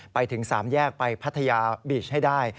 ไปถึง๓แยกไปพัทยาบีชให้ได้